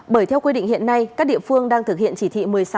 bởi theo quy định hiện nay các địa phương đang thực hiện chỉ thị một mươi sáu